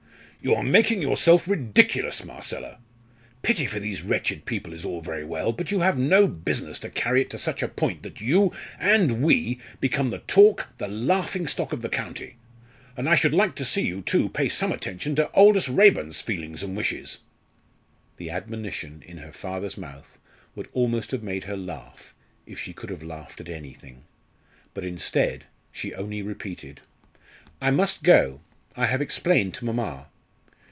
"You are making yourself ridiculous, Marcella. Pity for these wretched people is all very well, but you have no business to carry it to such a point that you and we become the talk, the laughing stock of the county. And I should like to see you, too, pay some attention to Aldous Raeburn's feelings and wishes." The admonition, in her father's mouth, would almost have made her laugh, if she could have laughed at anything. But, instead, she only repeated: "I must go, I have explained to mamma."